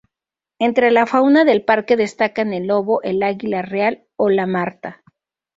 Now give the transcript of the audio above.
Entre la fauna del parque destacan el lobo, el águila real o la marta.